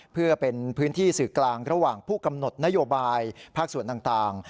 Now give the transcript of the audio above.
เพื่อเป็นพื้นที่สื่อกลางระหว่างผู้กำหนดนโยบายภาคส่วนต่าง